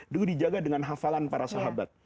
dulu dijaga dengan hafalan para sahabat